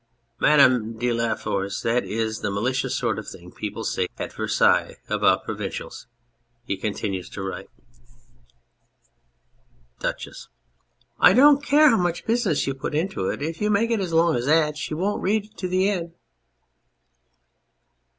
Madame de la Tour de Force., that is the malicious sort of thing people say at Versailles about provincials. (He continues to write.} DUCHESS. 1 don't care how much business you put into it ; if you make it as long as that she won't read to the end.